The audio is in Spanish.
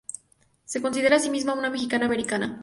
Se considera a sí misma una "Mexicana Americana".